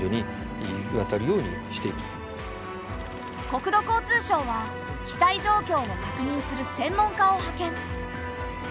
国土交通省は被災状況の確認する専門家を派遣。